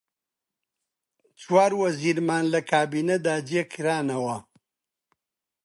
چوار وەزیرمان لە کابینەدا جێ کرانەوە: